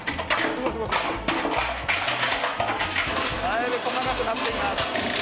だいぶ細かくなっています。